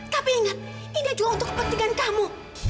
tapi ingat ini juga untuk kepentingan kamu